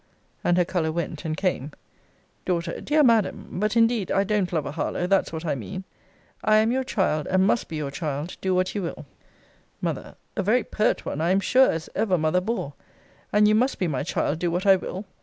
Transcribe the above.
And her colour went and came. D. Dear Madam, [but, indeed, I don't love a Harlowe that's what I mean,] I am your child, and must be your child, do what you will. M. A very pert one, I am sure, as ever mother bore! And you must be my child, do what I will!